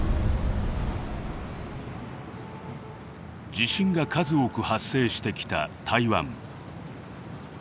地震が数多く発生してきた台湾。